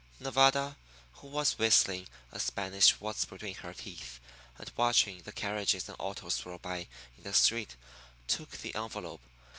Nevada, who was whistling a Spanish waltz between her teeth, and watching the carriages and autos roll by in the street, took the envelope.